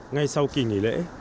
ngay sau kỳ nghỉ lễ